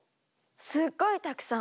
すっごいたくさん。